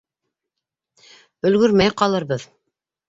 Өлгөрмәй ҡалырбыҙ.